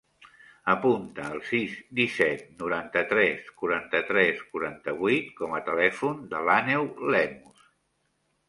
Apunta el sis, disset, noranta-tres, quaranta-tres, quaranta-vuit com a telèfon de l'Àneu Lemus.